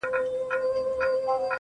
د قبر ته څو پېغلو څو زلميو ماښام,